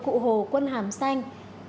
cụ hồ quân hàm xanh